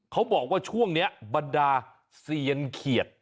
เขาบอกว่าช่วงนี้บรรดาเซียนเขียด